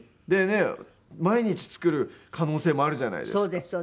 でね毎日作る可能性もあるじゃないですか。